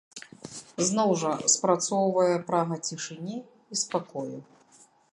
Зноў жа, спрацоўвае прага цішыні і спакою.